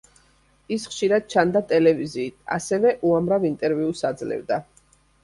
ის ხშირად ჩანდა ტელევიზიით, ასევე უამრავ ინტერვიუს აძლევდა.